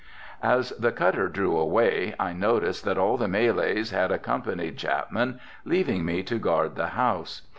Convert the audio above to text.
As the cutter drew away I noticed that all the Malays had accompanied Chapman, leaving me to guard the house.